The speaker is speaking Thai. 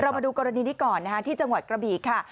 มาดูกรณีนี้ก่อนนะคะที่จังหวัดกระบีค่ะ